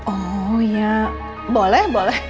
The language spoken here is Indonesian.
oh ya boleh boleh